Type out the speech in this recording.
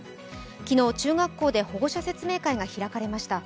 昨日、中学校で保護者説明会が開かれました。